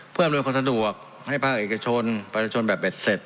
เพื่อนรวยคนสะดวกให้พระธุระเอ็กซิชนปราชิชนแบบเบ็ดเศรษฐ